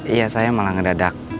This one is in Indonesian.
iya saya malah ngedadak